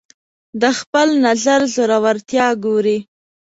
د خپل نظر زورورتیا ګوري